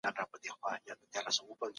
د زکات نه ورکول ګناه ده.